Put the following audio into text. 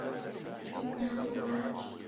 Mnyango ghwake